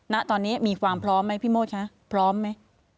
ณตอนนี้มีความพร้อมไหมพี่โมดคะพร้อมไหม